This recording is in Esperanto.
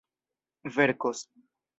verkos